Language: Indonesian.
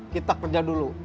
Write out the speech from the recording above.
kita kerja dulu